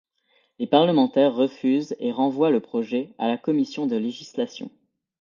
Les parlementaires refusent et renvoient le projet à la Commission de législation.